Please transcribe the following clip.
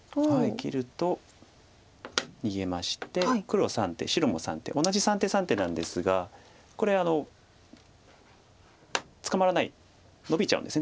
切ると逃げまして黒は３手白も３手同じ３手３手なんですがこれ捕まらないノビちゃうんです